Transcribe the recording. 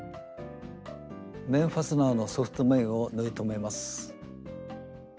面ファスナーのソフト面を縫い留めます。